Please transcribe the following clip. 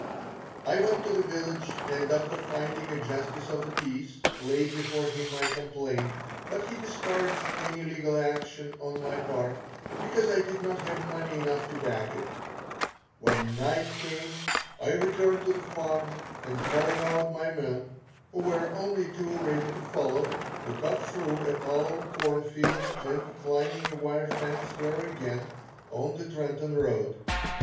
I went to the village and after finding a justice of the peace, laid before him my complaint, but he discouraged any legal action on my part because I did not have money enough to back it. When night came, I returned to the farm and calling out my men, who were only too ready to follow, we cut through a tall corn field, and climbing a wire fence were again on the Trenton road.